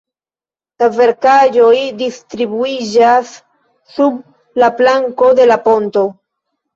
La verkaĵoj distribuiĝas sub la planko de la ponto.